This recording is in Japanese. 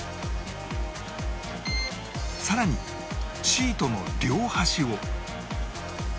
更にシートの両端を